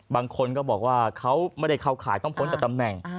บางคนก็บอกว่าเขาไม่ได้เข้าข่ายต้องพ้นจากตำแหน่ง